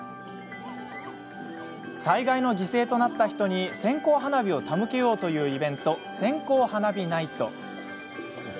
災害の犠牲となった人に線香花火を手向けようというイベント、線香花火ナイト。